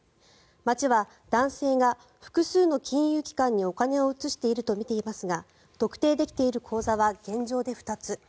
町は男性が複数の金融機関にお金を移しているとみていますが特定できている口座は現状で２つ。